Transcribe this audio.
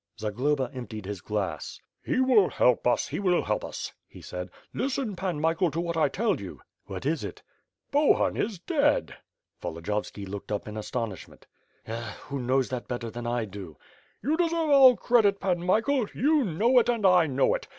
Zagloba emptied his glass. "He. will help us, He will help us," he said, "listen Pan Michael to what I tdl you." "What is it?" "Bohun is dead." Volodiyovski looked up in astonishment. "Pshaw, who knows that better than I do?" "You deserve all credit. Pan Michael; you know it and I know it.